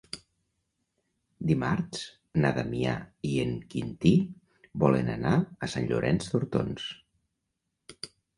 Dimarts na Damià i en Quintí volen anar a Sant Llorenç d'Hortons.